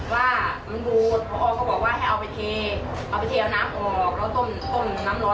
แล้วก็ไปปรุงเครื่องใหม่ค่ะไปต้มใหม่ค่ะ